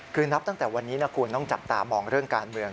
คือนับตั้งแต่วันนี้นะคุณต้องจับตามองเรื่องการเมือง